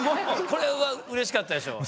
これはうれしかったでしょう？